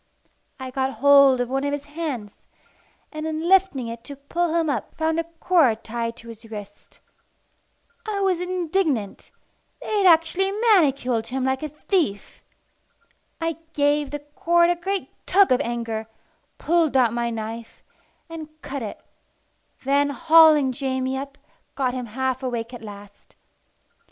I got hold of one of his hands, and in lifting it to pull him up found a cord tied to his wrist. I was indignant: they had actually manacled him like a thief! I gave the cord a great tug of anger, pulled out my knife, and cut it; then, hauling Jamie up, got him half awake at last.